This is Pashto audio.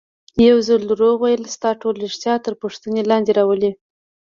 یو ځل دروغ ویل ستا ټول ریښتیا تر پوښتنې لاندې راولي.